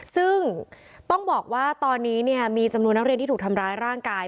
ซึ่งต้องบอกว่าตอนนี้มีจำนวนนักเรียนที่ถูกทำร้ายร่างกาย